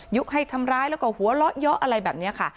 ให้ทำร้ายแล้วก็หัวเราะเยอะอะไรแบบนี้ค่ะ